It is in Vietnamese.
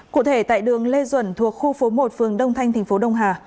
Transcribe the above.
cụ thể tại đường lê duẩn thuộc khu phố một phường đông thanh tp đông hà